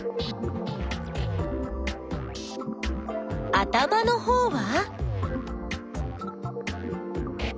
頭のほうは？